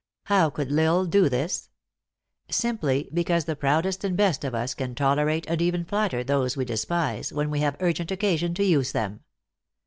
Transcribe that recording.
How could L Isle do this ? Simply because the proudest and best of us can tolerate, and even flatter, those we despise, when we have urgent occasion to use them.